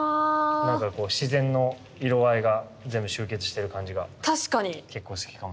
なんかこう自然の色合いが全部集結してる感じが結構好きかもしれないです。